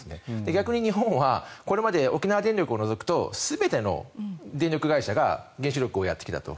逆に日本はこれまで沖縄電力を除くと全ての電力会社が原子力をやってきたと。